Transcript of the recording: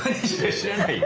知らないよ。